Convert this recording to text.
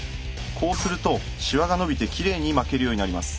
こうするとシワが伸びてきれいに巻けるようになります。